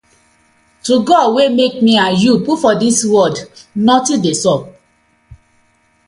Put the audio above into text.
To God wey mak mi and you put for dis world, notin dey sup.